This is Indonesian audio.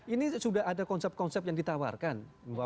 ini sudah ada konsep konsep yang ditawarkan